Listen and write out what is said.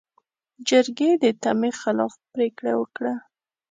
جرګې د تمې خلاف پرېکړه وکړه.